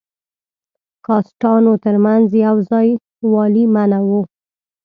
کاسټانو تر منځ یو ځای والی منع وو.